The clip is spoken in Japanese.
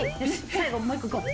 最後もう一個いこう。